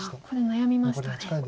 ここで悩みましたね。